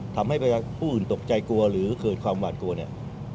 ทำให้ประชาชนตกใจกลัวหรือเกิดความหวาดกลัวเนี่ย